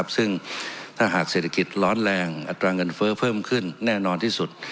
ซึ่งถ้าหากเศรษฐกิจร้อนแรงอัตราเงินเฟ้อเพิ่มขึ้นแน่นอนที่สุด